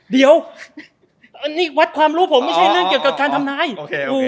เดี๋ยวอันนี้วัดความรู้ผมไม่ใช่เรื่องเกี่ยวกับการทำนายโอเค